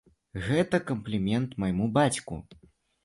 Гэта камплімент майму бацьку!